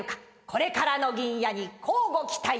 これからの銀冶に乞うご期待！